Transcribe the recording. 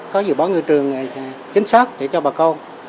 có dự báo ngư trường chính xác để cho bà con